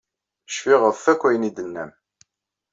Cfiɣ ɣef akk ayen i d-tennam.